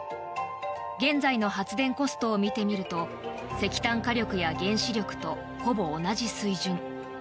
現在の発電コストを見てみると石炭火力や原子力とほぼ同じ水準。